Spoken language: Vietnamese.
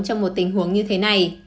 trong một tình huống như thế này